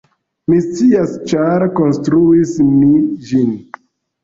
Mi scias, ĉar konstruis mi ĝin.